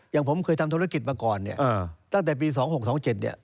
อย่างผมเคยทำธุรกิจมาก่อนเนี่ยตั้งแต่ปี๒๖๒๗เนี่ย